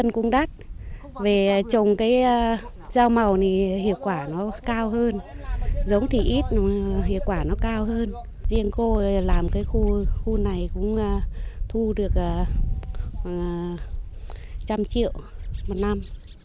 cây ngô màu thì hiệu quả nó cao hơn giống thì ít nhưng hiệu quả nó cao hơn riêng cô làm cái khu này cũng thu được một trăm linh triệu một năm